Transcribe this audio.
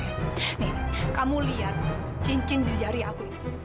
nih kamu lihat cincin di jari aku ini